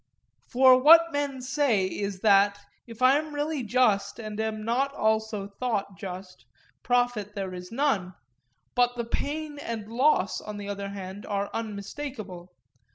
For what men say is that, if I am really just and am not also thought just profit there is none, but the pain and loss on the other hand are unmistakeable.